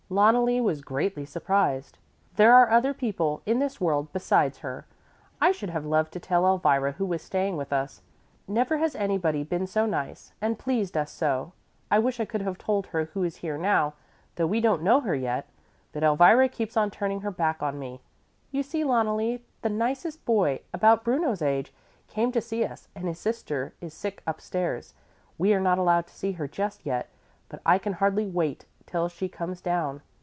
Loneli was greatly surprised. "There are other people in this world besides her. I should have loved to tell Elvira who was staying with us. Never has anybody been so nice and pleased us so. I wish I could have told her who is here now, though we don't know her yet; but Elvira keeps on turning her back on me. You see, Loneli, the nicest boy, about Bruno's age, came to see us, and his sister is sick upstairs. We are not allowed to see her just yet, but I can hardly wait till she comes down.